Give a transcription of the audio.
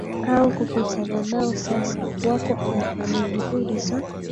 au kukutana nao sasa wako hapa Ni juhudi za